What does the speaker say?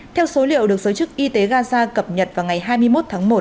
theo số liệu được giới chức y tế gaza cập nhật vào ngày hai mươi một tháng một